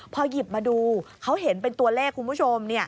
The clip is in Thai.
พอหยิบมาดูเขาเห็นเป็นตัวเลขคุณผู้ชม